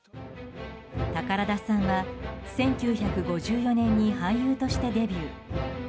宝田さんは１９５４年に俳優としてデビュー。